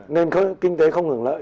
nên kinh tế không hưởng lợi